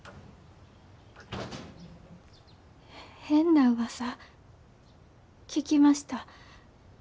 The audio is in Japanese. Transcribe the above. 変なうわさ聞きました。